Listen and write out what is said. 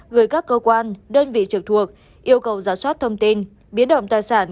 gửi các cơ quan đơn vị trực thuộc yêu cầu giả soát thông tin biến động tài sản